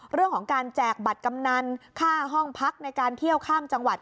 เรื่องของการแจกบัตรกำนันค่าห้องพักในการเที่ยวข้ามจังหวัด